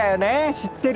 知ってる？